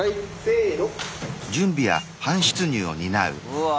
うわ。